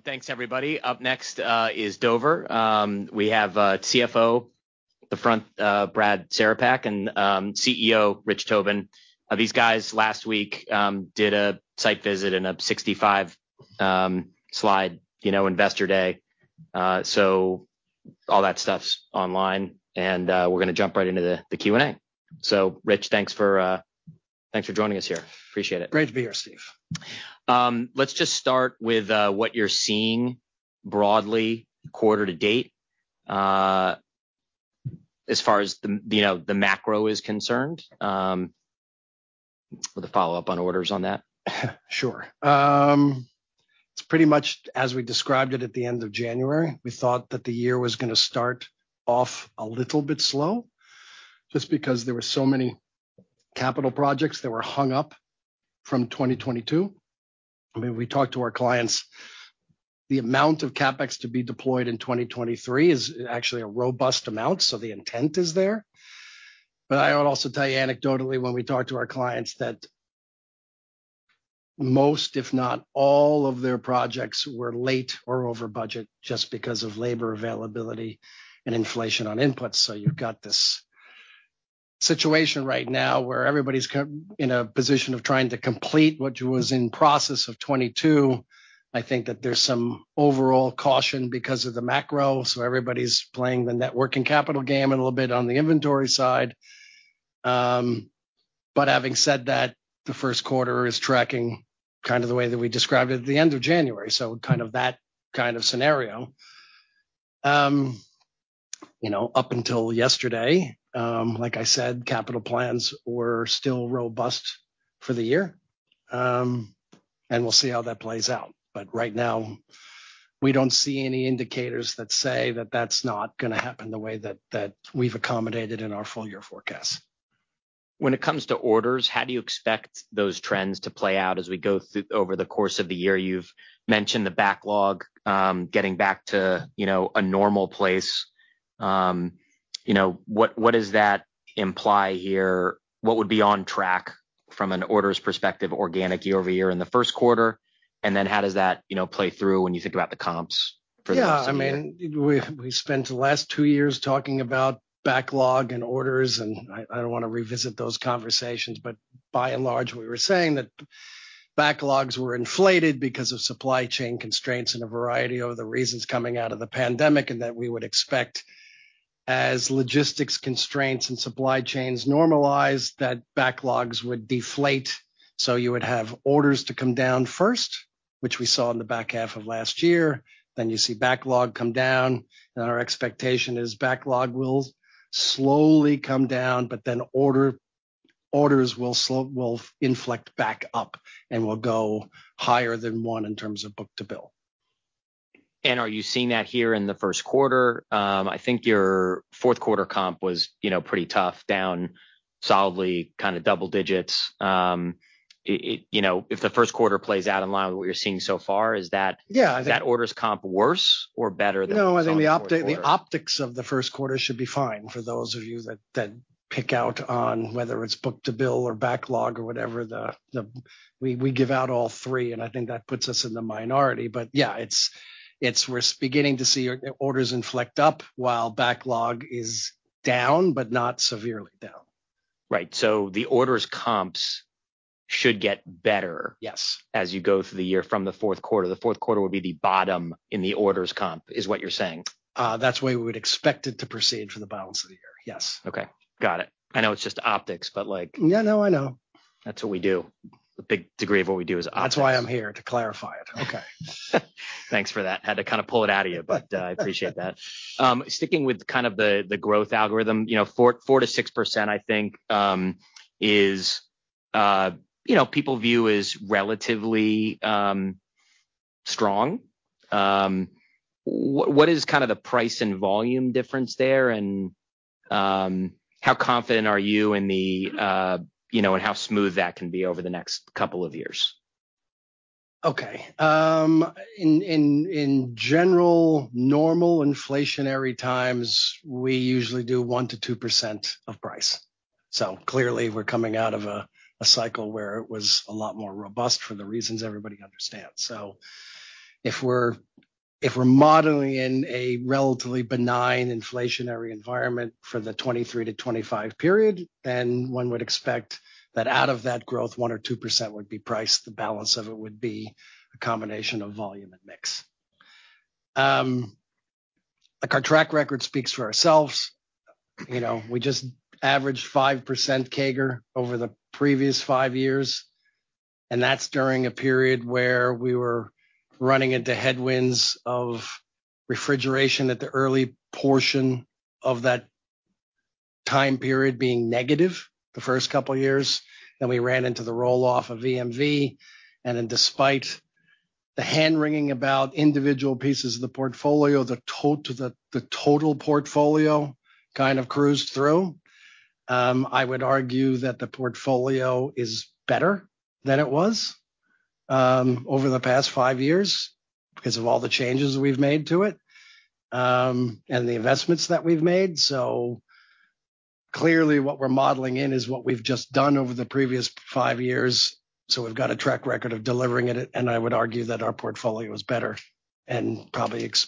Thanks everybody. Up next is Dover. We have CFO at the front, Brad Cerepak, and CEO Rich Tobin. These guys last week did a site visit and a 65 slide, you know, Investor Day. All that stuff's online, we're gonna jump right into the Q and A. Rich, thanks for thanks for joining us here. Appreciate it. Great to be here, Steve. Let's just start with what you're seeing broadly quarter to date, as far as the, you know, the macro is concerned, with a follow-up on orders on that. Sure. It's pretty much as we described it at the end of January. We thought that the year was gonna start off a little bit slow just because there were so many capital projects that were hung up from 2022. I mean, we talked to our clients, the amount of CapEx to be deployed in 2023 is actually a robust amount, so the intent is there. I would also tell you anecdotally, when we talk to our clients that most, if not all of their projects were late or over budget just because of labor availability and inflation on inputs. You've got this situation right now where everybody's in a position of trying to complete what was in process of 2022. I think that there's some overall caution because of the macro. Everybody's playing the net working capital game a little bit on the inventory side. Having said that, the first quarter is tracking kind of the way that we described it at the end of January, kind of that kind of scenario. You know, up until yesterday, like I said, capital plans were still robust for the year. We'll see how that plays out. Right now, we don't see any indicators that say that that's not gonna happen the way that we've accommodated in our full year forecast. When it comes to orders, how do you expect those trends to play out as we go through over the course of the year? You've mentioned the backlog, getting back to, you know, a normal place. You know, what does that imply here? What would be on track from an orders perspective, organic year-over-year in the first quarter? How does that, you know, play through when you think about the comps for this year? Yeah. I mean, we spent the last two years talking about backlog and orders, I don't wanna revisit those conversations. By and large, we were saying that backlogs were inflated because of supply chain constraints and a variety of the reasons coming out of the pandemic, that we would expect, as logistics constraints and supply chains normalize, that backlogs would deflate. You would have orders to come down first, which we saw in the back half of last year, you see backlog come down. Our expectation is backlog will slowly come down, but then orders will inflect back up and will go higher than one in terms of book-to-bill. Are you seeing that here in the first quarter? I think your fourth quarter comp was, you know, pretty tough, down solidly, kinda double digits. You know, if the first quarter plays out in line with what you're seeing so far. Yeah. Is that orders comp worse or better than some in the fourth quarter? No, I think the optics of the first quarter should be fine for those of you that pick out on whether it's book-to-bill or backlog or whatever the, we give out all three, and I think that puts us in the minority. Yeah, it's we're beginning to see orders inflect up while backlog is down, but not severely down. Right. The orders comps should get better. Yes. As you go through the year from the fourth quarter. The fourth quarter would be the bottom in the orders comp, is what you're saying? That's the way we would expect it to proceed for the balance of the year. Yes. Okay. Got it. I know it's just optics, but like- Yeah, no, I know. That's what we do. A big degree of what we do is optics. That's why I'm here, to clarify it. Okay. Thanks for that. Had to kind of pull it out of you, but I appreciate that. Sticking with kind of the growth algorithm. You know, 4-6%, I think, you know, people view as relatively strong. What is kind of the price and volume difference there? How confident are you in the, you know, and how smooth that can be over the next couple of years? Okay. In general, normal inflationary times, we usually do 1% to 2% of price. Clearly, we're coming out of a cycle where it was a lot more robust for the reasons everybody understands. If we're modeling in a relatively benign inflationary environment for the 2023-2025 period, one would expect that out of that growth, 1% or 2% would be price. The balance of it would be a combination of volume and mix. Like, our track record speaks for ourselves. You know, we just averaged 5% CAGR over the previous five years, and that's during a period where we were running into headwinds of refrigeration at the early portion of that time period being negative the first couple of years. We ran into the roll-off of EMV. Despite the hand-wringing about individual pieces of the portfolio, the total portfolio kind of cruised through. I would argue that the portfolio is better than it was over the past five years because of all the changes we've made to it and the investments that we've made. Clearly what we're modeling in is what we've just done over the previous five years, so we've got a track record of delivering it, and I would argue that our portfolio is better and probably has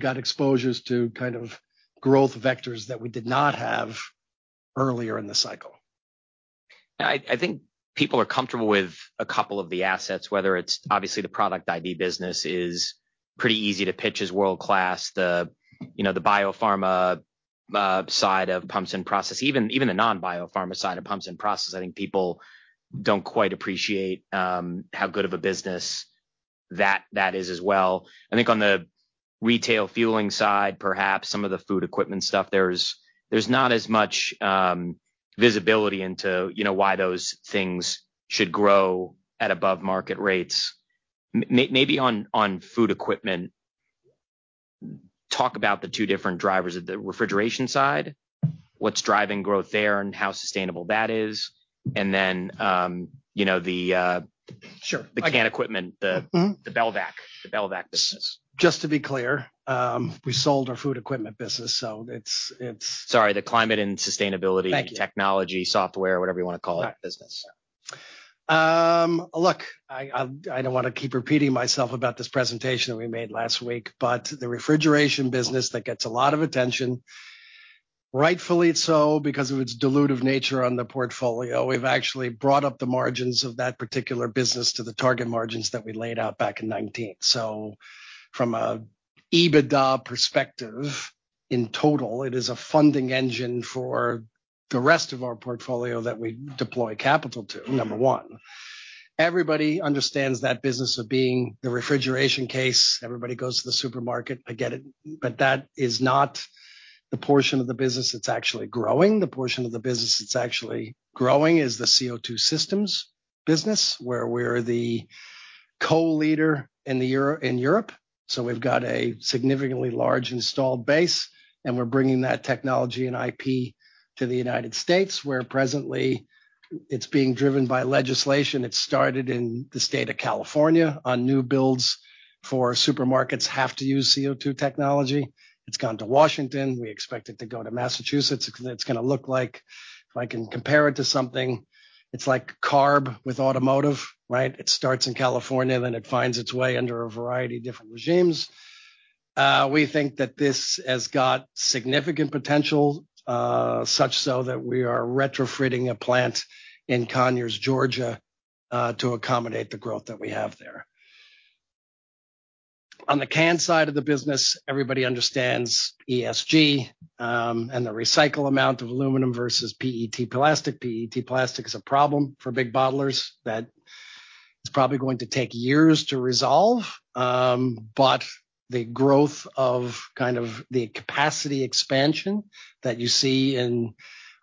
got exposures to kind of growth vectors that we did not have earlier in the cycle. I think people are comfortable with a couple of the assets, whether it's obviously the product ID business is pretty easy to pitch as world-class. The, you know, the biopharma side of pumps and process. Even the non-biopharma side of pumps and process, I think people don't quite appreciate how good of a business that is as well. I think on the retail fueling side, perhaps some of the food equipment stuff, there's not as much visibility into, you know, why those things should grow at above market rates. Maybe on food equipment, talk about the two different drivers of the refrigeration side, what's driving growth there, and how sustainable that is, and then, you know, the. Sure. The can equipment. Mm-hmm. The Belvac business. Just to be clear, we sold our food equipment business, so it's... Sorry, the climate and sustainability- Thank you. Technology, software, whatever you wanna call it Right. Business. Look, I don't wanna keep repeating myself about this presentation that we made last week, but the refrigeration business, that gets a lot of attention, rightfully so, because of its dilutive nature on the portfolio. We've actually brought up the margins of that particular business to the target margins that we laid out back in 2019. From a EBITDA perspective, in total, it is a funding engine for the rest of our portfolio that we deploy capital to, number one. Everybody understands that business of being the refrigeration case. Everybody goes to the supermarket, I get it. That is not the portion of the business that's actually growing. The portion of the business that's actually growing is the CO2 systems business, where we're the co-leader in Europe. We've got a significantly large installed base, and we're bringing that technology and IP to the United States, where presently it's being driven by legislation. It started in the state of California on new builds for supermarkets have to use CO2 technology. It's gone to Washington. We expect it to go to Massachusetts. It's gonna look like, if I can compare it to something, it's like CARB with automotive, right? It starts in California, then it finds its way under a variety of different regimes. We think that this has got significant potential, such so that we are retrofitting a plant in Conyers, Georgia, to accommodate the growth that we have there. On the can side of the business, everybody understands ESG, and the recycle amount of aluminum versus PET plastic. PET plastic is a problem for big bottlers that is probably going to take years to resolve. The growth of kind of the capacity expansion that you see in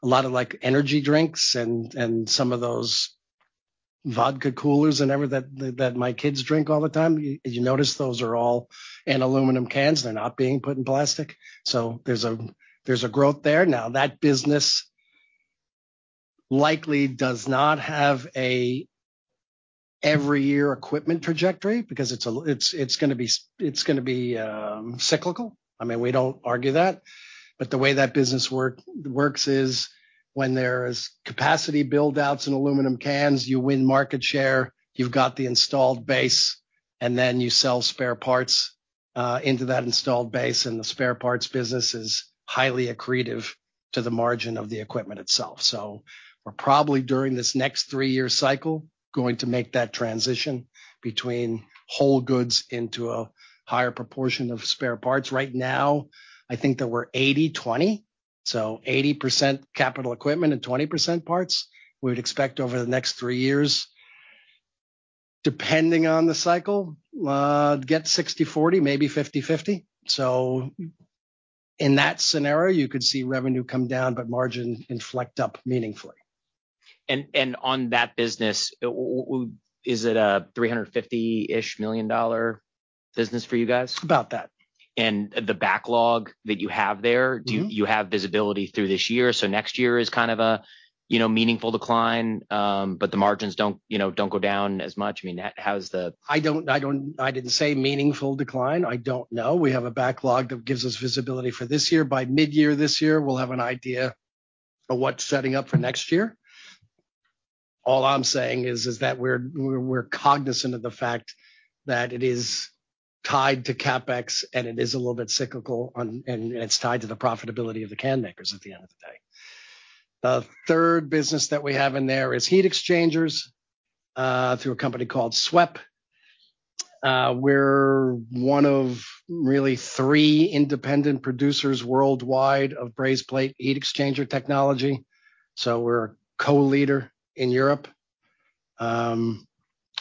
a lot of, like, energy drinks and some of those vodka coolers and everything that my kids drink all the time, you notice those are all in aluminum cans. They're not being put in plastic. There's a growth there. That business likely does not have a every year equipment trajectory because it's gonna be cyclical. I mean, we don't argue that. The way that business works is when there is capacity build-outs in aluminum cans, you win market share, you've got the installed base, and then you sell spare parts into that installed base, and the spare parts business is highly accretive to the margin of the equipment itself. We're probably, during this next three-year cycle, going to make that transition between whole goods into a higher proportion of spare parts. Right now, I think that we're 80/20, so 80% capital equipment and 20% parts. We'd expect over the next three years, depending on the cycle, get 60/40, maybe 50/50. In that scenario, you could see revenue come down but margin inflect up meaningfully. On that business, is it a $350-ish million business for you guys? About that. The backlog that you have there. Mm-hmm. Do you have visibility through this year? Next year is kind of a, you know, meaningful decline, but the margins don't, you know, don't go down as much. I didn't say meaningful decline. I don't know. We have a backlog that gives us visibility for this year. By midyear this year, we'll have an idea of what's setting up for next year. All I'm saying is that we're cognizant of the fact that it is tied to CapEx, and it is a little bit cyclical, and it's tied to the profitability of the can makers at the end of the day. The third business that we have in there is heat exchangers, through a company called SWEP. We're one of really three independent producers worldwide of brazed plate heat exchanger technology, so we're a co-leader in Europe.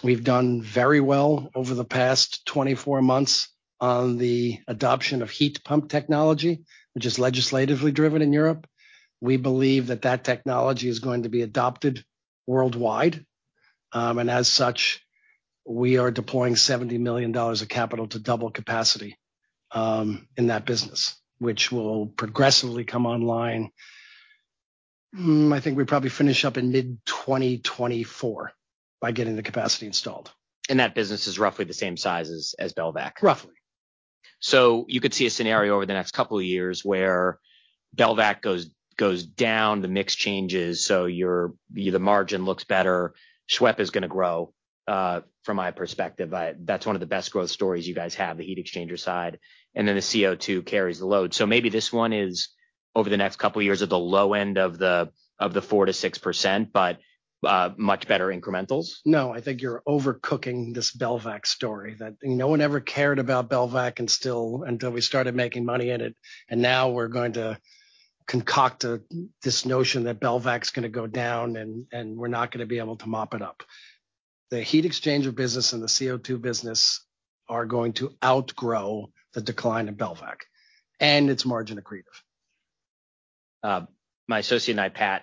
We've done very well over the past 24 months on the adoption of heat pump technology, which is legislatively driven in Europe. We believe that that technology is going to be adopted worldwide. As such, we are deploying $70 million of capital to double capacity in that business, which will progressively come online. I think we probably finish up in mid-2024 by getting the capacity installed. That business is roughly the same size as Belvac? Roughly. You could see a scenario over the next couple of years where Belvac goes down, the margin looks better. SWEP is gonna grow from my perspective. That's one of the best growth stories you guys have, the heat exchanger side, the CO2 carries the load. Maybe this one is, over the next couple of years, at the low end of the 4%-6%, much better incrementals. I think you're overcooking this Belvac story, that no one ever cared about Belvac and still, until we started making money in it, and now we're going to concoct this notion that Belvac's gonna go down, and we're not gonna be able to mop it up. The heat exchanger business and the CO2 business are going to outgrow the decline of Belvac, and it's margin accretive. My associate and I, Pat,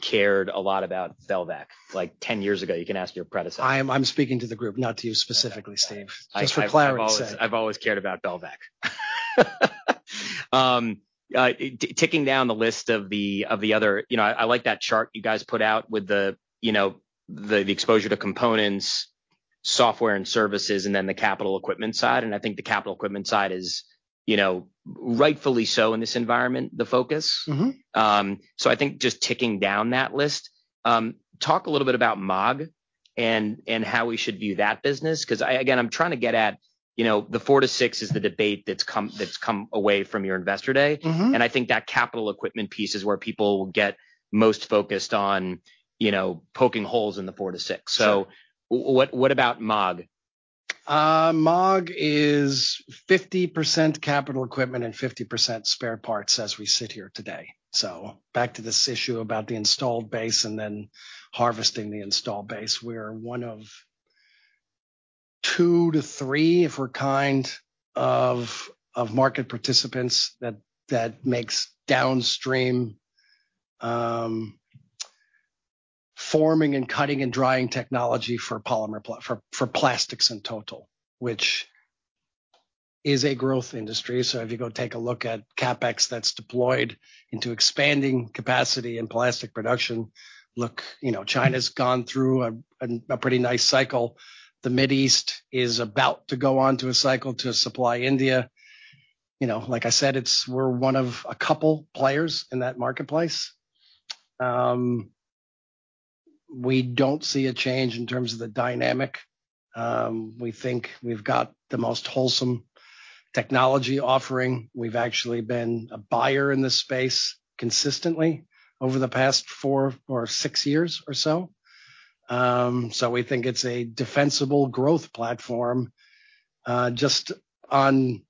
cared a lot about Belvac like 10 years ago. You can ask your predecessor. I'm speaking to the group, not to you specifically, Steve. I've-. Just for clarity's sake. I've always cared about Belvac. Ticking down the list of the other, you know, I like that chart you guys put out with the, you know, the exposure to components, software, and services, and then the capital equipment side, and I think the capital equipment side is, you know, rightfully so in this environment, the focus. Mm-hmm. I think just ticking down that list, talk a little bit about MAAG and how we should view that business 'cause I, again, I'm trying to get at, you know, the four to six is the debate that's come away from your Investor Day. Mm-hmm. I think that capital equipment piece is where people will get most focused on, you know, poking holes in the four to six. Sure. What about MAAG? MAAG is 50% capital equipment and 50% spare parts as we sit here today. Back to this issue about the installed base and then harvesting the installed base. We're one of two to three, if we're kind, of market participants that makes downstream forming and cutting and drying technology for polymer for plastics in total, which is a growth industry. If you go take a look at CapEx that's deployed into expanding capacity in plastic production, look, you know, China's gone through a pretty nice cycle. The Middle East is about to go onto a cycle to supply India. You know, like I said, we're one of a couple players in that marketplace. We don't see a change in terms of the dynamic. We think we've got the most wholesome technology offering. We've actually been a buyer in this space consistently over the past four or six years or so. We think it's a defensible growth platform just on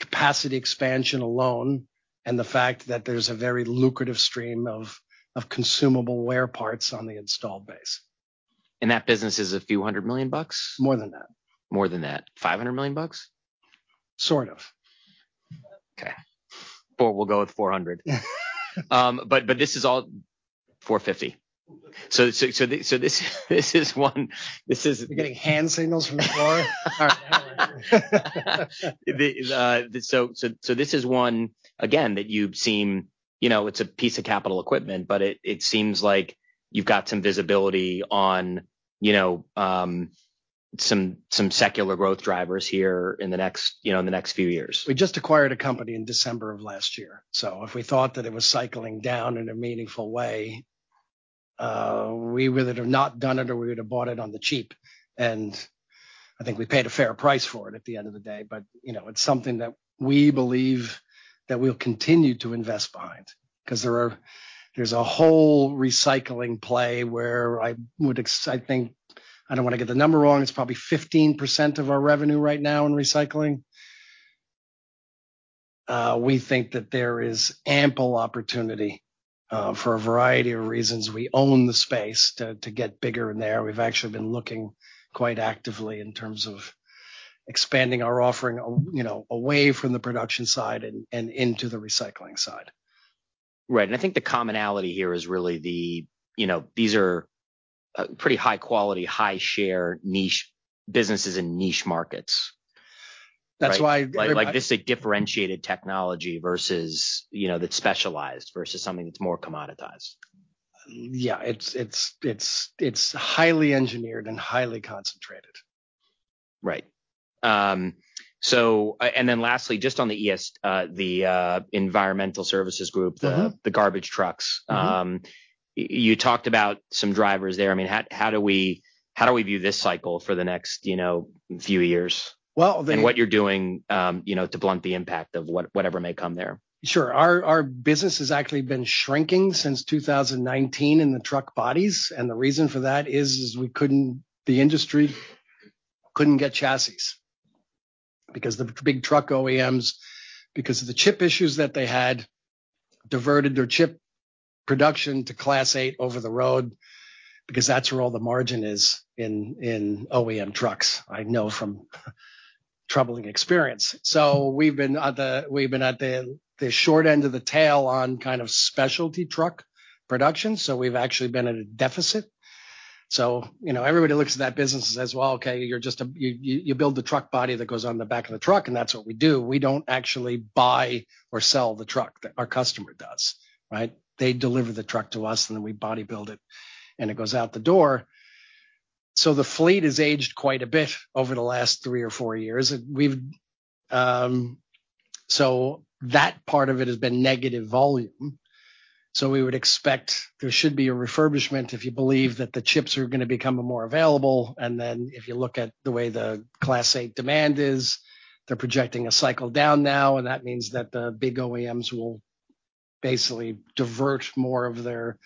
capacity expansion alone and the fact that there's a very lucrative stream of consumable wear parts on the installed base. That business is a few hundred million dollars? More than that. More than that. $500 million? Sort of. Okay. Well, we'll go with $400. This is all, $450. This is one. We're getting hand signals from the floor. So this is one, again, that you seem, you know, it's a piece of capital equipment, but it seems like you've got some visibility on, you know, some secular growth drivers here in the next few years. If we thought that it was cycling down in a meaningful way, we would have not done it, or we would have bought it on the cheap. I think we paid a fair price for it at the end of the day. You know, it's something that we believe that we'll continue to invest behind 'cause there's a whole recycling play where I think, I don't wanna get the number wrong, it's probably 15% of our revenue right now in recycling. We think that there is ample opportunity for a variety of reasons. We own the space to get bigger in there. We've actually been looking quite actively in terms of expanding our offering you know, away from the production side and into the recycling side. Right. I think the commonality here is really the, you know, these are pretty high quality, high share niche businesses in niche markets. That's why everybody. Like, this is differentiated technology versus, you know, that's specialized versus something that's more commoditized. Yeah. It's highly engineered and highly concentrated. Right. Lastly, just on the environmental services group. Mm-hmm The garbage trucks. Mm-hmm. You talked about some drivers there. I mean, how do we view this cycle for the next, you know, few years? Well. What you're doing, you know, to blunt the impact of whatever may come there. Sure. Our business has actually been shrinking since 2019 in the truck bodies. The reason for that is we couldn't the industry couldn't get chassis because the big truck OEMs, because of the chip issues that they had, diverted their chip production to Class 8 over-the-road because that's where all the margin is in OEM trucks. I know from troubling experience. We've been at the short end of the tail on kind of specialty truck production, we've actually been at a deficit. You know, everybody looks at that business and says, "Well, okay, you build the truck body that goes on the back of the truck," that's what we do. We don't actually buy or sell the truck. Our customer does, right? They deliver the truck to us, and then we body build it, and it goes out the door. The fleet has aged quite a bit over the last three or four years. That part of it has been negative volume. We would expect there should be a refurbishment if you believe that the chips are gonna become more available. If you look at the way the Class Eight demand is, they're projecting a cycle down now, and that means that the big OEMs will basically divert more of their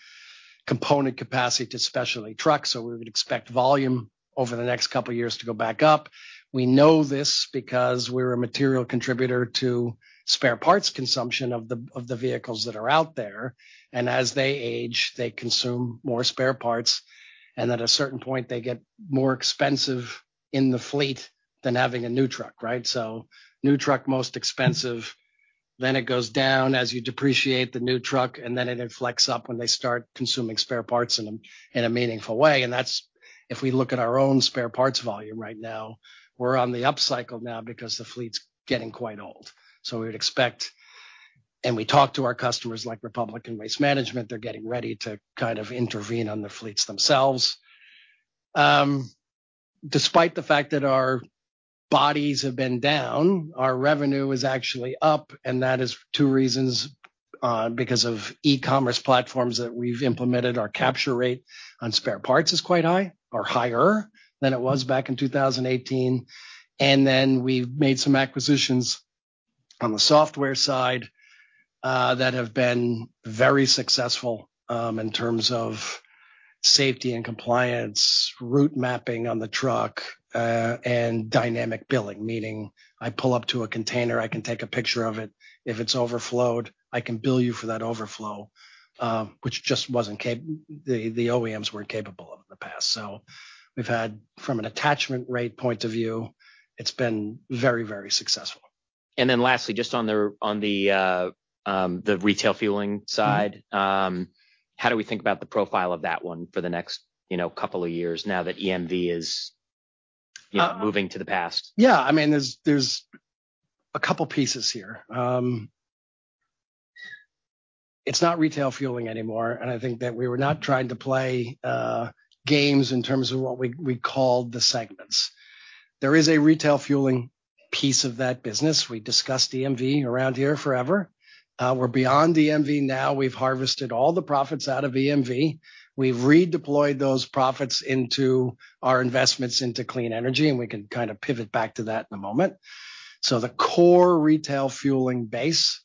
component capacity to specialty trucks. We would expect volume over the next couple of years to go back up. We know this because we're a material contributor to spare parts consumption of the vehicles that are out there. As they age, they consume more spare parts, and at a certain point, they get more expensive in the fleet than having a new truck, right? New truck, most expensive, then it goes down as you depreciate the new truck, and then it inflects up when they start consuming spare parts in a meaningful way. That's if we look at our own spare parts volume right now, we're on the up cycle now because the fleet's getting quite old. We would expect, and we talk to our customers like Republic and Waste Management, they're getting ready to kind of intervene on the fleets themselves. Despite the fact that our bodies have been down, our revenue is actually up. That is two reasons because of e-commerce platforms that we've implemented. Our capture rate on spare parts is quite high or higher than it was back in 2018. We've made some acquisitions on the software side that have been very successful in terms of safety and compliance, route mapping on the truck, and dynamic billing. Meaning I pull up to a container, I can take a picture of it. If it's overflowed, I can bill you for that overflow, which just the OEMs weren't capable of in the past. We've had, from an attachment rate point of view, it's been very, very successful. Lastly, just on the retail fueling side, how do we think about the profile of that one for the next, you know, couple of years now that EMV is, you know, moving to the past? I mean, there's a couple pieces here. It's not retail fueling anymore, I think that we were not trying to play games in terms of what we called the segments. There is a retail fueling piece of that business. We discussed EMV around here forever. We're beyond EMV now. We've harvested all the profits out of EMV. We've redeployed those profits into our investments into clean energy, we can kind of pivot back to that in a moment. The core retail fueling base,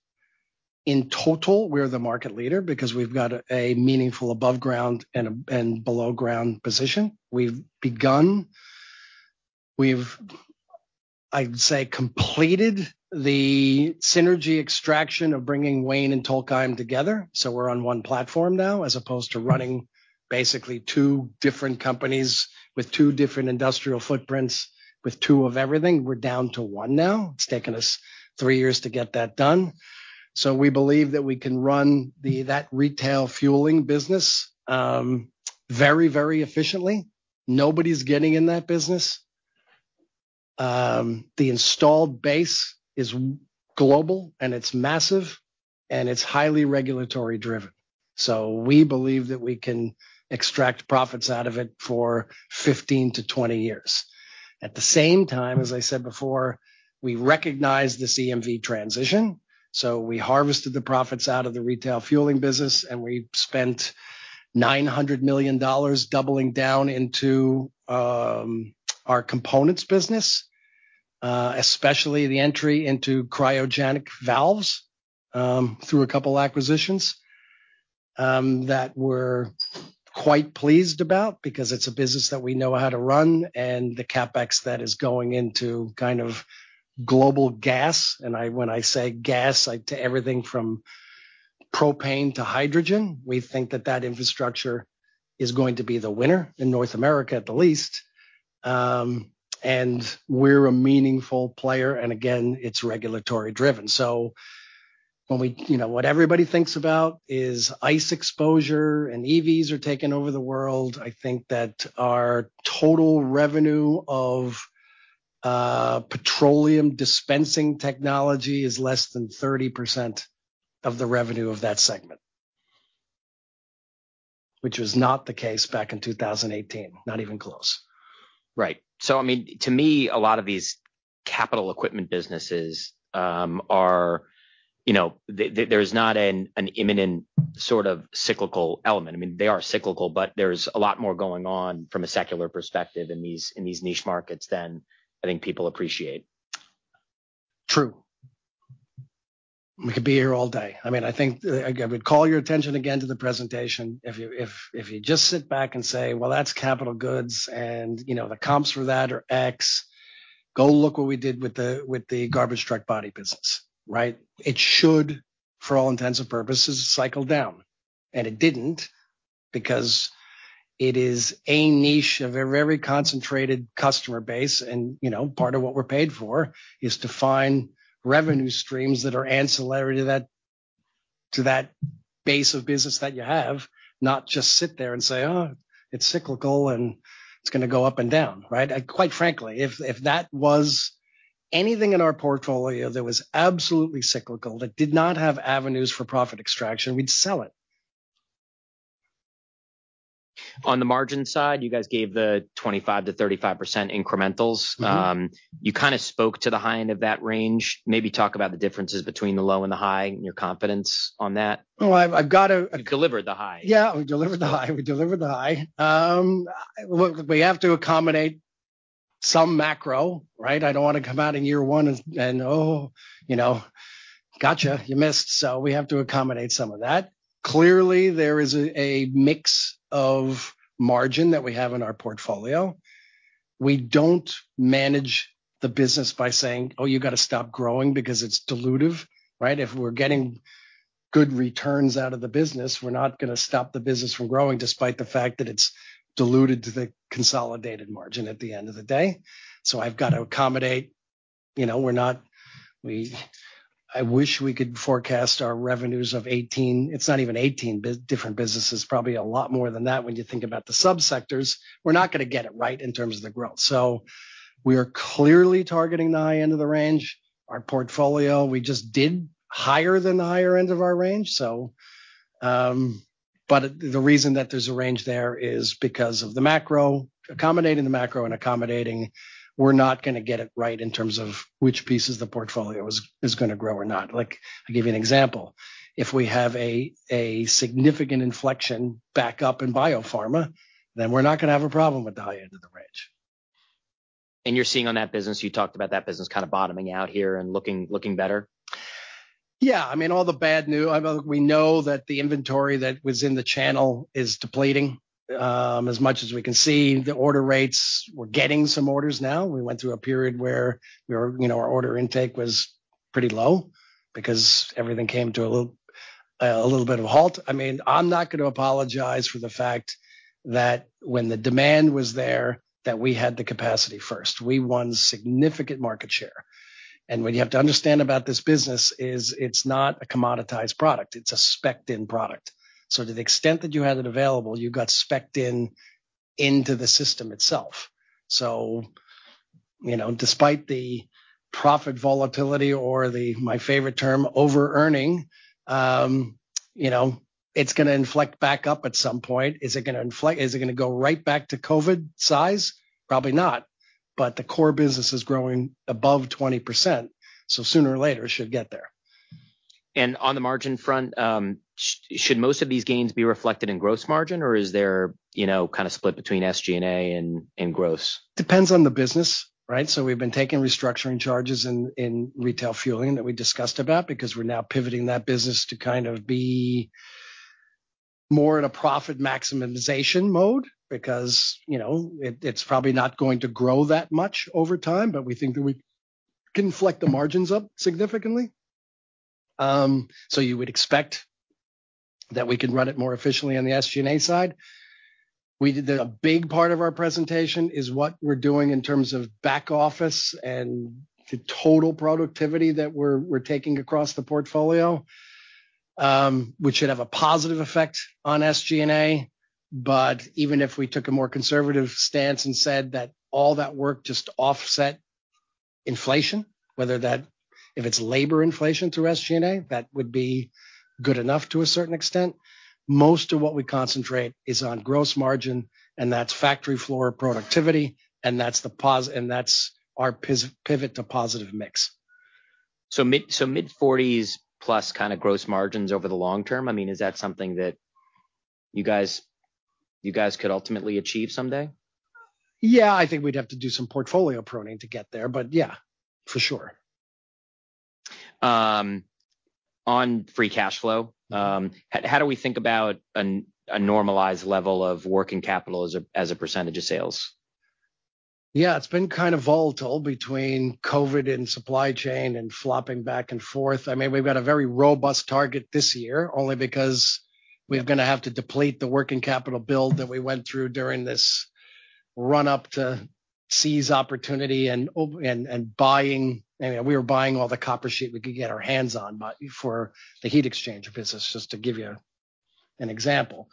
in total, we're the market leader because we've got a meaningful above ground and below ground position. I'd say, completed the synergy extraction of bringing Wayne and Tokheim together. We're on one platform now, as opposed to running basically two different companies with two different industrial footprints with two of everything. We're down to one now. It's taken us three years to get that done. We believe that we can run that retail fueling business, very, very efficiently. Nobody's getting in that business. The installed base is global, and it's massive, and it's highly regulatory driven. We believe that we can extract profits out of it for 15-20 years. At the same time, as I said before, we recognize this EMV transition. We harvested the profits out of the retail fueling business, and we spent $900 million doubling down into, our components business, especially the entry into cryogenic valves, through a couple acquisitions, that we're quite pleased about because it's a business that we know how to run and the CapEx that is going into kind of global gas. When I say gas, to everything from propane to hydrogen. We think that that infrastructure is going to be the winner in North America at the least. We're a meaningful player, and again, it's regulatory driven. You know, what everybody thinks about is ICE exposure and EVs are taking over the world. I think that our total revenue of petroleum dispensing technology is less than 30% of the revenue of that segment, which was not the case back in 2018, not even close. Right. I mean, to me, a lot of these capital equipment businesses, are, you know, there's not an imminent sort of cyclical element. I mean, they are cyclical, but there's a lot more going on from a secular perspective in these niche markets than I think people appreciate. True. We could be here all day. I mean, I think I would call your attention again to the presentation. If you just sit back and say, "Well, that's capital goods," and, you know, the comps for that are X, go look what we did with the garbage truck body business, right? It should, for all intents and purposes, cycle down. It didn't because it is a niche of a very concentrated customer base. You know, part of what we're paid for is to find revenue streams that are ancillary to that base of business that you have, not just sit there and say, "Oh, it's cyclical, and it's gonna go up and down," right? Quite frankly, if that was anything in our portfolio that was absolutely cyclical, that did not have avenues for profit extraction, we'd sell it. On the margin side, you guys gave the 25%-35% incrementals. Mm-hmm. You kind of spoke to the high end of that range. Maybe talk about the differences between the low and the high and your confidence on that. Well, I've. You delivered the high. Yeah, we delivered the high. We delivered the high. Look, we have to accommodate some macro, right? I don't want to come out in year one and oh, you know, gotcha, you missed. We have to accommodate some of that. Clearly, there is a mix of margin that we have in our portfolio. We don't manage the business by saying, "Oh, you got to stop growing because it's dilutive," right? If we're getting good returns out of the business, we're not gonna stop the business from growing despite the fact that it's diluted to the consolidated margin at the end of the day. I've got to accommodate. You know, we're not. I wish we could forecast our revenues of 18. It's not even 18 different businesses, probably a lot more than that when you think about the subsectors. We're not gonna get it right in terms of the growth. We are clearly targeting the high end of the range. Our portfolio, we just did higher than the higher end of our range. But the reason that there's a range there is because of the macro, accommodating the macro and accommodating we're not gonna get it right in terms of which pieces the portfolio is gonna grow or not. I'll give you an example. If we have a significant inflection back up in biopharma, we're not gonna have a problem with the high end of the range. You're seeing on that business, you talked about that business kind of bottoming out here and looking better. Yeah. I mean, all the we know that the inventory that was in the channel is depleting, as much as we can see. The order rates, we're getting some orders now. We went through a period where we were, you know, our order intake was pretty low because everything came to a little bit of a halt. I mean, I'm not gonna apologize for the fact that when the demand was there, that we had the capacity first. We won significant market share. What you have to understand about this business is it's not a commoditized product, it's a spec'd-in product. To the extent that you had it available, you got spec'd in, into the system itself. You know, despite the profit volatility or the, my favorite term, over-earning, you know, it's gonna inflect back up at some point. Is it gonna go right back to COVID size? Probably not. The core business is growing above 20%, sooner or later, it should get there. On the margin front, should most of these gains be reflected in gross margin, or is there, you know, kind of split between SG&A and gross? Depends on the business, right? We've been taking restructuring charges in retail fueling that we discussed about because we're now pivoting that business to kind of be more in a profit maximization mode because, you know, it's probably not going to grow that much over time, but we think that we can inflect the margins up significantly. You would expect that we can run it more efficiently on the SG&A side. A big part of our presentation is what we're doing in terms of back office and the total productivity that we're taking across the portfolio, which should have a positive effect on SG&A. Even if we took a more conservative stance and said that all that work just offset inflation, whether that if it's labor inflation through SG&A, that would be good enough to a certain extent. Most of what we concentrate is on gross margin, and that's factory floor productivity, and that's our pivot to positive mix. Mid-40s% plus kind of gross margins over the long term. I mean, is that something that you guys could ultimately achieve someday? Yeah. I think we'd have to do some portfolio pruning to get there, but yeah, for sure. On free cash flow. Mm-hmm. How do we think about a normalized level of working capital as a percentage of sales? It's been kind of volatile between COVID and supply chain and flopping back and forth. I mean, we've got a very robust target this year, only because we're gonna have to deplete the working capital build that we went through during this run-up to seize opportunity and buying. I mean, we were buying all the copper sheet we could get our hands on, but for the heat exchange business, just to give you an example.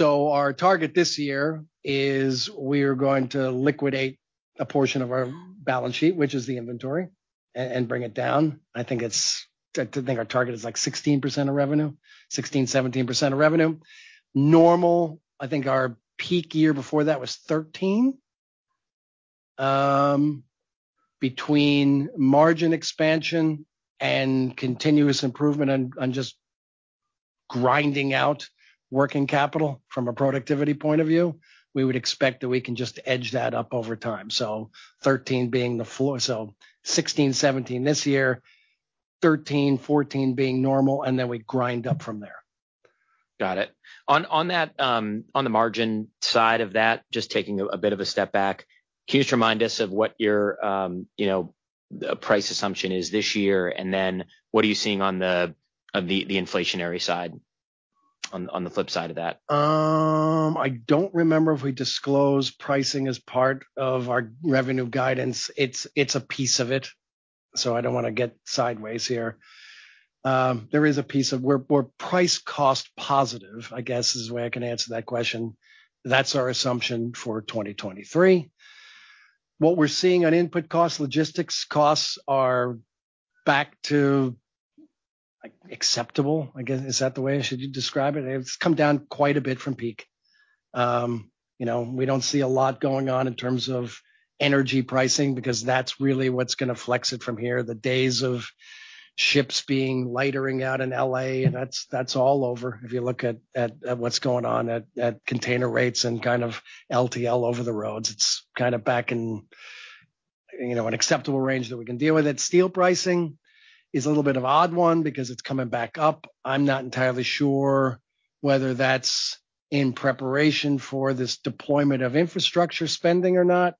Our target this year is we're going to liquidate a portion of our balance sheet, which is the inventory, and bring it down. I think our target is, like, 16% of revenue. 16%-17% of revenue. Normal, I think our peak year before that was 13. Between margin expansion and continuous improvement on just grinding out working capital from a productivity point of view, we would expect that we can just edge that up over time. 13 being the floor. 16, 17 this year, 13, 14 being normal, and then we grind up from there. Got it. On that, on the margin side of that, just taking a bit of a step back, can you just remind us of what your, you know, price assumption is this year, and then what are you seeing on the inflationary side? On the flip side of that. I don't remember if we disclosed pricing as part of our revenue guidance. It's a piece of it, so I don't wanna get sideways here. We're price cost positive, I guess is the way I can answer that question. That's our assumption for 2023. What we're seeing on input costs, logistics costs are back to, like, acceptable, I guess. Is that the way I should describe it? It's come down quite a bit from peak. You know, we don't see a lot going on in terms of energy pricing because that's really what's gonna flex it from here. The days of ships being lightering out in L.A., that's all over. If you look at what's going on at container rates and kind of LTL over the roads, it's kind of back in, you know, an acceptable range that we can deal with it. Steel pricing is a little bit of odd one because it's coming back up. I'm not entirely sure whether that's in preparation for this deployment of infrastructure spending or not,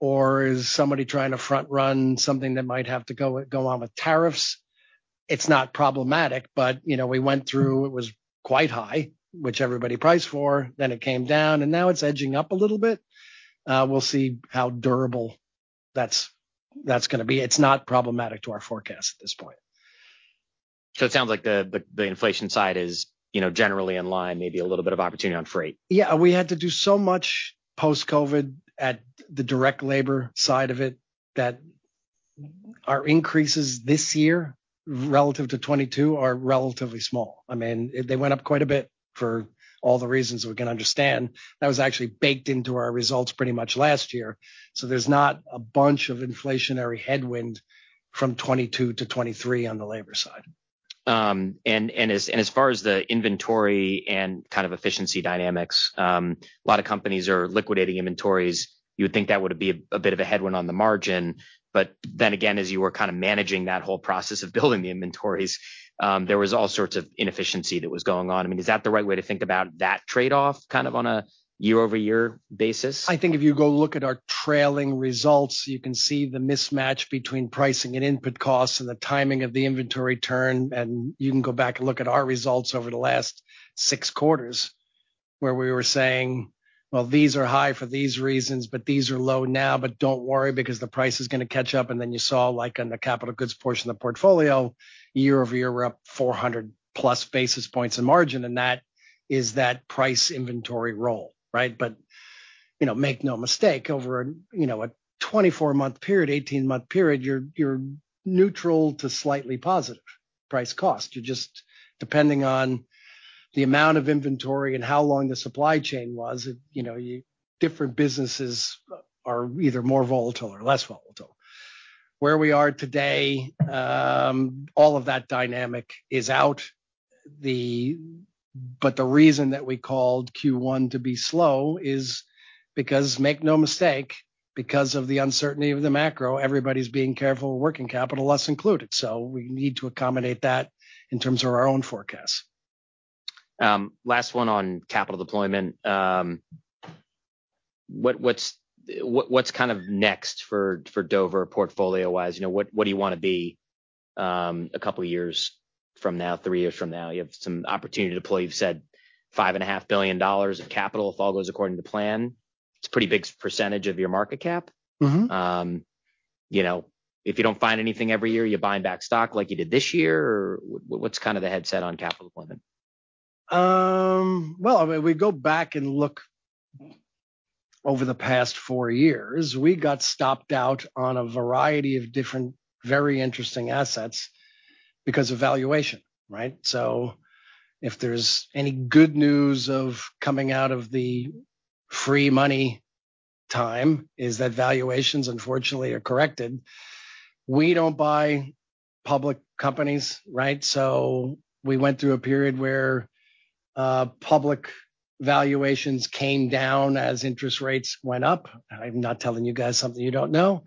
or is somebody trying to front run something that might have to go on with tariffs. It's not problematic, but, you know, we went through, it was quite high, which everybody priced for, then it came down, and now it's edging up a little bit. We'll see how durable that's gonna be. It's not problematic to our forecast at this point. It sounds like the inflation side is, you know, generally in line, maybe a little bit of opportunity on freight. We had to do so much post-COVID at the direct labor side of it that our increases this year relative to 2022 are relatively small. I mean, they went up quite a bit for all the reasons we can understand. That was actually baked into our results pretty much last year. There's not a bunch of inflationary headwind from 2022 to 2023 on the labor side. As far as the inventory and kind of efficiency dynamics, a lot of companies are liquidating inventories. You would think that would be a bit of a headwind on the margin. As you were kind of managing that whole process of building the inventories, there was all sorts of inefficiency that was going on. I mean, is that the right way to think about that trade-off, kind of on a year-over-year basis? I think if you go look at our trailing results, you can see the mismatch between pricing and input costs and the timing of the inventory turn. You can go back and look at our results over the last six quarters where we were saying, "Well, these are high for these reasons, but these are low now. Don't worry because the price is gonna catch up." You saw like on the capital goods portion of the portfolio, year-over-year, we're up 400+ basis points in margin. That is that price inventory roll. Right? You know, make no mistake, over, you know, a 24-month period, 18-month period, you're neutral to slightly positive price cost. You're just depending on the amount of inventory and how long the supply chain was. You know, different businesses are either more volatile or less volatile. Where we are today, all of that dynamic is out. The reason that we called Q1 to be slow is because, make no mistake, because of the uncertainty of the macro, everybody's being careful, working capital less included. We need to accommodate that in terms of our own forecast. Last one on capital deployment. What's kind of next for Dover portfolio-wise? You know, what do you wanna be, a couple of years from now, three years from now? You have some opportunity to deploy. You've said $5.5 billion of capital, if all goes according to plan. It's a pretty big percentage of your market cap. Mm-hmm. You know, if you don't find anything every year, you're buying back stock like you did this year, or what's kind of the headset on capital deployment? Well, I mean, we go back and look over the past four years, we got stopped out on a variety of different, very interesting assets because of valuation, right? If there's any good news of coming out of the free money time, is that valuations, unfortunately, are corrected. We don't buy public companies, right? We went through a period where public valuations came down as interest rates went up. I'm not telling you guys something you don't know.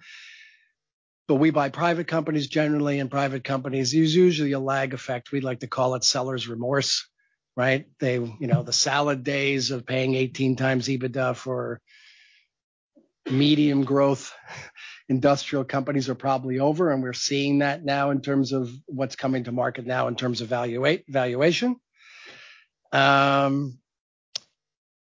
We buy private companies, generally, and private companies, there's usually a lag effect. We'd like to call it seller's remorse, right? They, you know, the salad days of paying 18 times EBITDA for medium growth industrial companies are probably over, and we're seeing that now in terms of what's coming to market now in terms of valuation.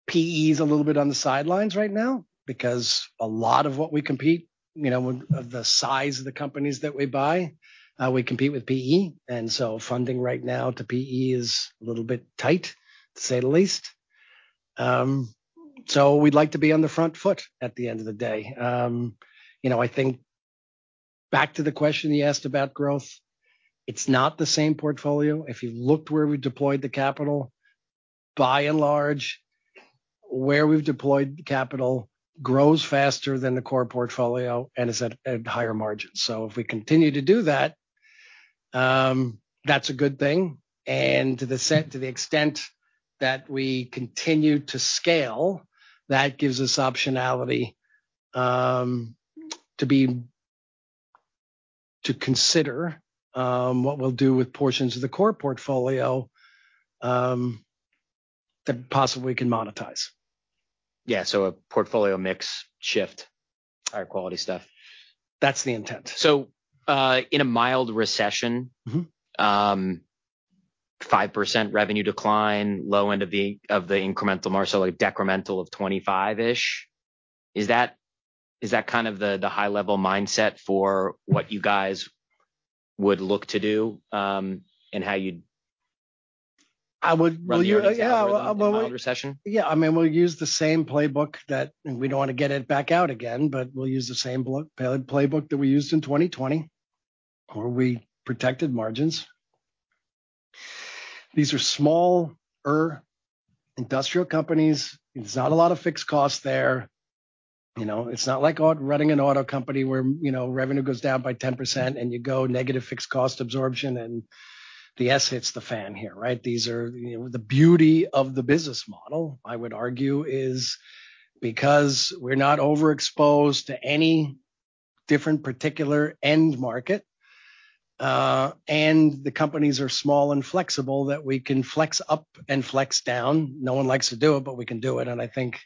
PE is a little bit on the sidelines right now because a lot of what we compete, you know, the size of the companies that we buy, we compete with PE. Funding right now to PE is a little bit tight, to say the least. We'd like to be on the front foot at the end of the day. You know, I think back to the question you asked about growth, it's not the same portfolio. If you looked where we deployed the capital, by and large, where we've deployed capital grows faster than the core portfolio and is at higher margins. If we continue to do that's a good thing. To the extent that we continue to scale, that gives us optionality to consider what we'll do with portions of the core portfolio that possibly we can monetize. Yeah. A portfolio mix shift, higher quality stuff. That's the intent. In a mild recession. Mm-hmm 5% revenue decline, low end of the incremental margin, decremental of 25-ish. Is that kind of the high level mindset for what you guys would look to do? I would, well, you know... Run the algorithm in a mild recession? Yeah. I mean, we'll use the same playbook that, and we don't want to get it back out again, but we'll use the same playbook that we used in 2020, where we protected margins. These are smaller industrial companies. There's not a lot of fixed costs there. You know, it's not like running an auto company where, you know, revenue goes down by 10% and you go negative fixed cost absorption, and the S hits the fan here, right? These are, you know, the beauty of the business model, I would argue, is because we're not overexposed to any different particular end market, and the companies are small and flexible that we can flex up and flex down. No one likes to do it, but we can do it. I think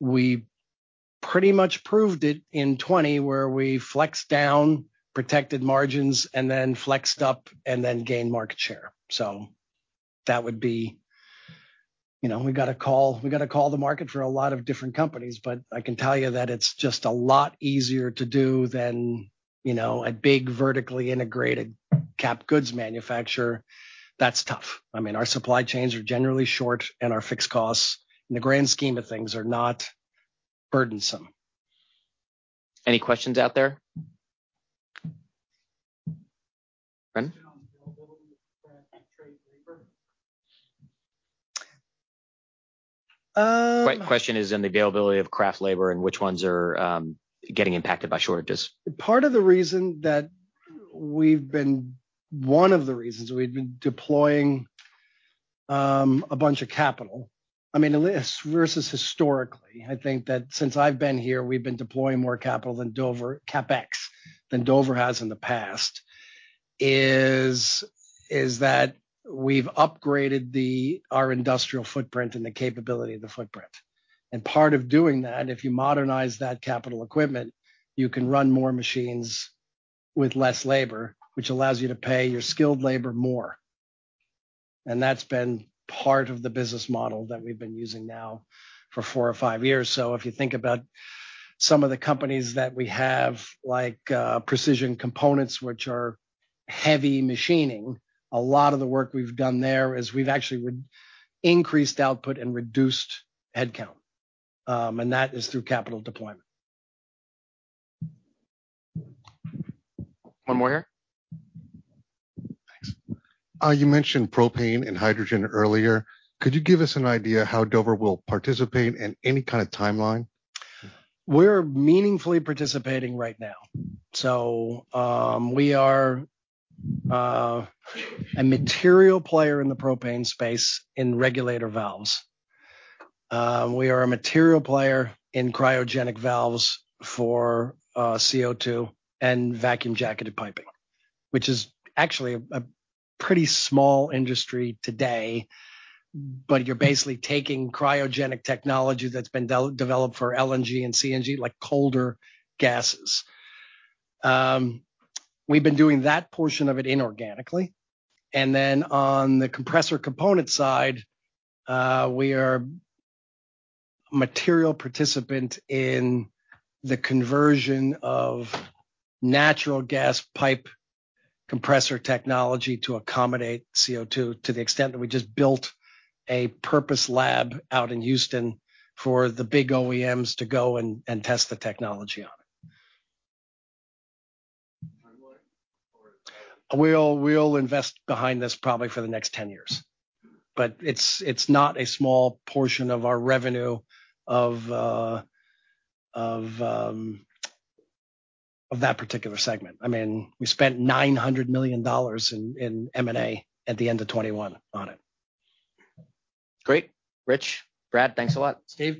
we pretty much proved it in 2020, where we flexed down, protected margins, then flexed up, and then gained market share. That would be, you know, we got to call the market for a lot of different companies, but I can tell you that it's just a lot easier to do than, you know, a big vertically integrated capital goods manufacturer. That's tough. I mean, our supply chains are generally short, and our fixed costs, in the grand scheme of things, are not burdensome. Any questions out there? Brendan? Question on the availability of craft and trade labor. Um- Question is in the availability of craft labor and which ones are getting impacted by shortages. One of the reasons we've been deploying a bunch of capital, I mean, this versus historically, I think that since I've been here, we've been deploying more capital than Dover, CapEx, than Dover has in the past, is that we've upgraded our industrial footprint and the capability of the footprint. Part of doing that, if you modernize that capital equipment, you can run more machines with less labor, which allows you to pay your skilled labor more. That's been part of the business model that we've been using now for four or five years. If you think about some of the companies that we have, like, Precision Components, which are heavy machining, a lot of the work we've done there is we've actually increased output and reduced headcount. That is through capital deployment. One more here. Thanks. You mentioned propane and hydrogen earlier. Could you give us an idea how Dover will participate and any kind of timeline? We're meaningfully participating right now. We are a material player in the propane space in regulator valves. We are a material player in cryogenic valves for CO2 and vacuum-jacketed piping, which is actually a pretty small industry today, but you're basically taking cryogenic technology that's been developed for LNG and CNG, like colder gases. We've been doing that portion of it inorganically. On the compressor component side, we are material participant in the conversion of natural gas pipe compressor technology to accommodate CO2, to the extent that we just built a purpose lab out in Houston for the big OEMs to go and test the technology on it. Timeline for. We'll invest behind this probably for the next 10 years. It's not a small portion of our revenue of that particular segment. I mean, we spent $900 million in M&A at the end of 2021 on it. Great. Rich, Brad, thanks a lot. Steve.